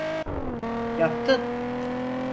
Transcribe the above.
Yaptın…